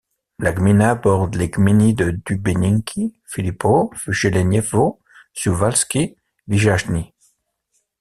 La gmina borde les gminy de Dubeninki, Filipów, Jeleniewo, Suwałki et Wiżajny.